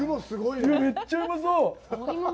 めっちゃうまそう。